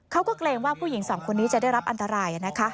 เกรงว่าผู้หญิงสองคนนี้จะได้รับอันตรายนะคะ